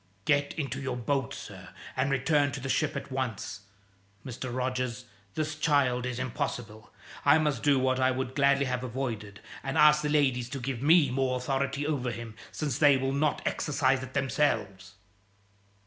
"Get into your boat, sir, and return to the ship at once! Mr. Rogers, this child is impossible. I must do what I would gladly have avoided, and ask the ladies to give me more authority over him, since they will not exercise it themselves."